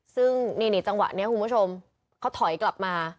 ซึ่งนี่จังหวะนี้คุณผู้ชมเขาถอยกลับมา